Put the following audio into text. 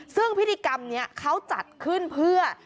ซึ่งพิธีกรรมนี้เขาจัดขึ้นเพื่อ